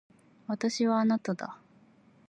私はあなただ。